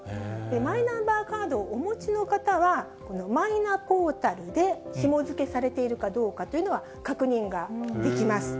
マイナンバーカードをお持ちの方は、このマイナポータルでひも付けされているかどうかというのは確認ができます。